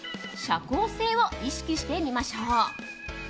社交性を意識してみましょう。